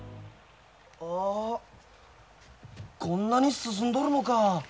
あっこんなに進んどるのか。